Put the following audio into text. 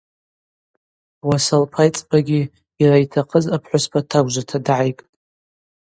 Ауаса лпайцӏбагьи йара йтахъыз апхӏвыспа тагвжвата дгӏайгтӏ.